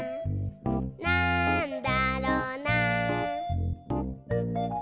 「なんだろな？」